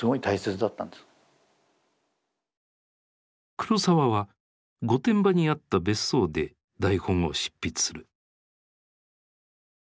黒澤は御殿場にあった別荘で台本を執筆する。